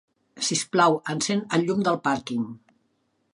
Sisplau, encén el llum del pàrquing.